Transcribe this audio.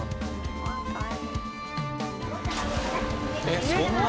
えっそんな？